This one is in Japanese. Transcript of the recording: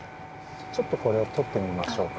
ちょっとこれとってみましょうか。